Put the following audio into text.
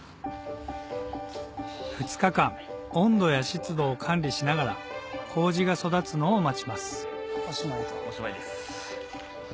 ２日間温度や湿度を管理しながら麹が育つのを待ちますおしまいと。